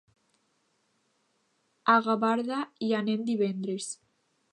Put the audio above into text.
A Gavarda hi anem divendres.